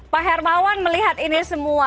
pak hermawan melihat ini semua